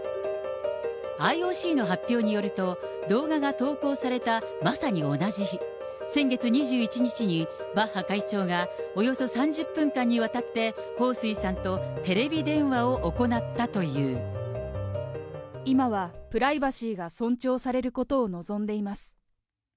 ＩＯＣの発表によると、動画が投稿されたまさに同じ日、先月２１日に、バッハ会長がおよそ３０分間にわたって、彭帥さんとテレビ電話を今は、プライバシーが尊重されることを望んでいます。